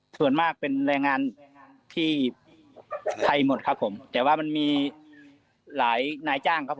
ส่วนมากเป็นแรงงานที่ไทยหมดครับผมแต่ว่ามันมีหลายนายจ้างครับ